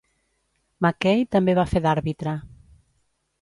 Mackey també va fer d'àrbitre.